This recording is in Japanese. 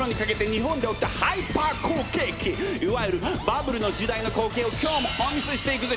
いわゆるバブルの時代の光景を今日もお見せしていくぜ！